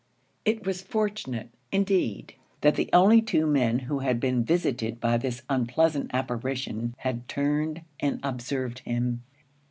It was fortunate, indeed, that the only two men who had been visited by this unpleasant apparition had turned and observed him.